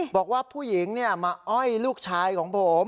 บอกว่าผู้หญิงมาอ้อยลูกชายของผม